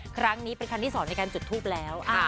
ครั้งนี้เป็นครั้งที่๒ในการจุดทูปแล้ว